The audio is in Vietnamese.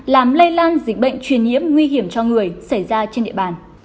làm lây lan dịch bệnh truyền nhiễm nguy hiểm cho người xảy ra trên địa bàn